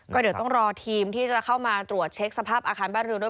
ก็เดี๋ยวต้องรอทีมที่จะเข้ามาตรวจเช็คสภาพอาคารบ้านเรือนด้วย